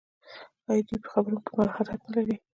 آیا دوی په خبرو کې مهارت نلري؟